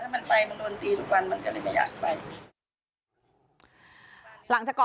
คือมันไปมันนวนตีทุกวันมันก็เลยไม่อยากไป